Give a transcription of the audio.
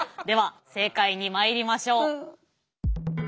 では正解にまいりましょう。